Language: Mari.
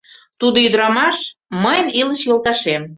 Тудо ӱдырамаш — мыйын илыш йолташем.